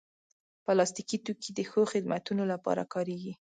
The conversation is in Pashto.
پلاستيکي توکي د ښو خدمتونو لپاره کارېږي.